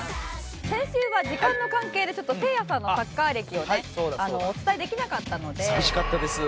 先週は時間の関係でちょっとせいやさんのサッカー歴をねお伝えできなかったので。